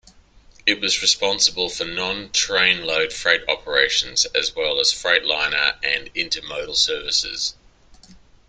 It was responsible for non-trainload freight operations, as well as Freightliner and Intermodal services.